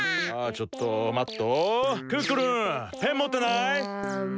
ちょっと待っと！